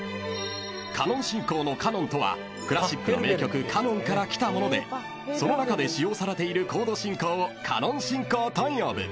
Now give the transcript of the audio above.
［カノン進行の「カノン」とはクラシックの名曲『カノン』からきたものでその中で使用されているコード進行をカノン進行と呼ぶ］